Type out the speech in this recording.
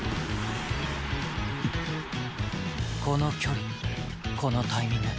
この距離このタイミング。